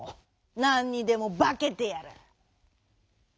なんにでもばけてやらあ！」。